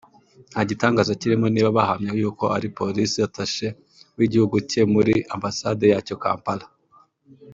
nta gitangaza kirimo niba bahamya yuko ari Police attache w’igihugu cye muri ambasade yacyo Kampala